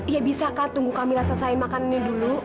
ya bisa kak tunggu kamila selesai makan ini dulu